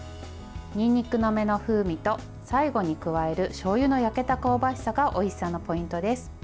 にんにくの芽の風味と最後に加えるしょうゆの焼けた香ばしさがおいしさのポイントです。